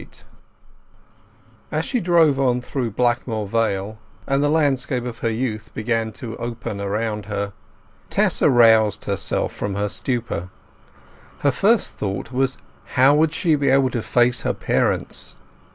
XXXVIII As she drove on through Blackmoor Vale, and the landscape of her youth began to open around her, Tess aroused herself from her stupor. Her first thought was how would she be able to face her parents?